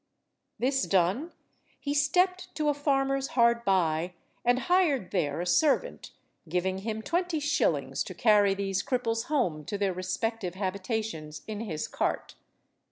This done, he stept to a farmer's hard by, and hired there a servant, giving him twenty shillings to carry these cripples home to their respective habitations in his cart.